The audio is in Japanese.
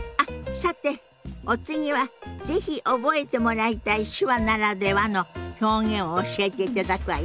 さてお次は是非覚えてもらいたい手話ならではの表現を教えていただくわよ。